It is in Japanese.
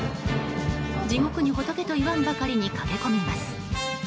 地獄に仏と言わんばかりに駆け込みます。